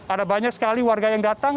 ada banyak sekali warga yang datang